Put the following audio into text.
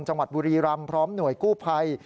จังหวัดบุรีรำพร้อมหน่วยกู้ภัย